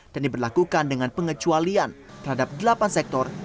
dan diberlakukan dengan pengecualian terhadap delapan sektor